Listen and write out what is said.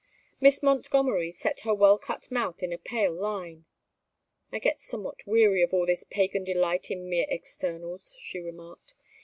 Miss Montgomery set her well cut mouth in a pale line. "I get somewhat weary of all this pagan delight in mere externals," she remarked.